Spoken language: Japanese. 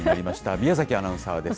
宮崎アナウンサーです。